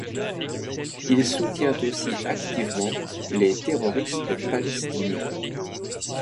Il soutient aussi activement les terroristes palestiniens.